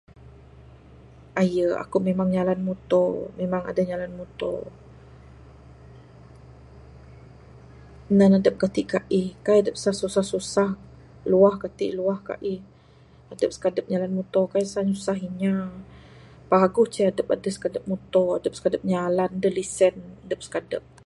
Aye aku memang nyalan muto memang adeh nyalan muto. Nan adep gati gaih kaik adep susah susah luah gati luah gaih. Adep nyalan muto kaik dep nyusah inya. Paguh ce adep sikadep muto adep sikadep nyalan adeh lisen adep sikadep.